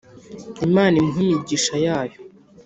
imana imuhe imigisha yayo